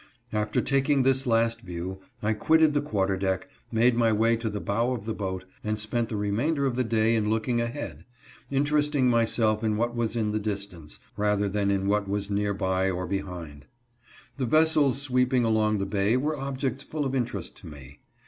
After taking this last view, I quitted the quarter deck, made my way to the bow of the boat, and spent the remainder of the day in looking ahead ; interesting myself in what was in the distance, rather than in what was near by, or behind. The vessels sweeping along the bay were objects full of interest to me.